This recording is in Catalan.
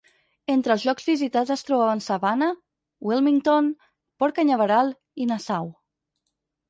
Entre els llocs visitats es trobaven Savannah, Wilmington, Port Canyaveral i Nassau.